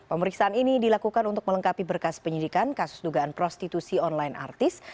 pemeriksaan ini dilakukan untuk melengkapi berkas penyidikan kasus dugaan prostitusi online artis